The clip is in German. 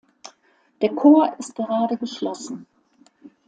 Der Chor ist gerade geschlossen.